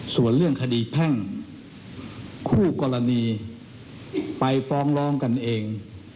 ส่วนเรื่องคดีแพ่งคู่กรณีไปฟ้องร้องกันเอง